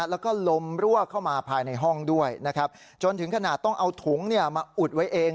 แล้วก็ลมรั่วเข้ามาภายในห้องด้วยนะครับจนถึงขนาดต้องเอาถุงมาอุดไว้เอง